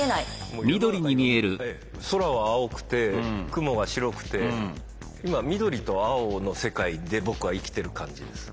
もう世の中今ええ空は青くて雲が白くて今緑と青の世界で僕は生きてる感じです。